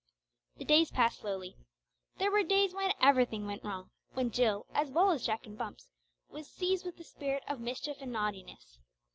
The days passed slowly. There were days when everything went wrong, when Jill, as well as Jack and Bumps, was seized with the spirit of mischief and naughtiness.